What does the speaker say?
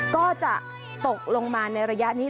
ก็จะตกลงมาในระยะนี้